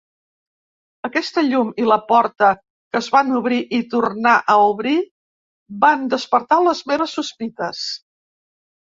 Aquesta llum i la porta que es van obrir i tornar a obrir van despertar les meves sospites.